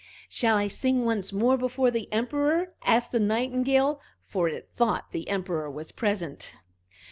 "Shall I sing once more before the Emperor?" asked the Nightingale, for it thought the Emperor was present.